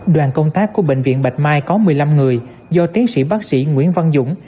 đoàn công tác của bệnh viện bạch mai có một mươi năm người do tiến sĩ bác sĩ nguyễn văn dũng